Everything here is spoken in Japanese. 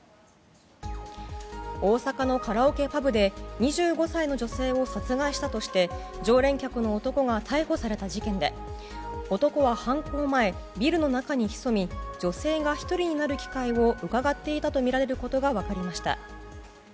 大阪のカラオケパブで２５歳の女性を殺害したとして常連客の男が逮捕された事件で男は犯行前、ビルの中に潜み女性が１人になる機会をうかがっていたとみられることが分かりました。